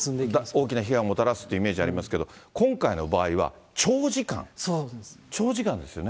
大きな被害をもたらすってイメージありますけど、今回の場合は長時間、長時間ですよね。